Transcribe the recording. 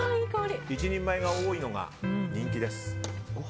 １人前が多いのが人気です。